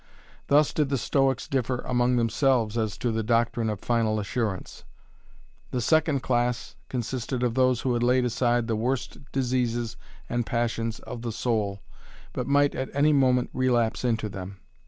Thus did the Stoics differ among themselves as to the doctrine of "final assurance". The second class consisted of those who had laid aside the worst diseases and passions of the soul, but might at any moment relapse into them.